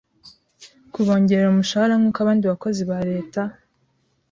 kubongerera umushahara nkuko abandi bakozi ba Leta